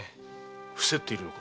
臥せっているのか？